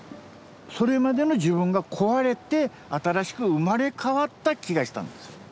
それまでの自分が壊れて新しく生まれ変わった気がしたんです。